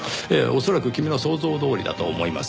恐らく君の想像どおりだと思います。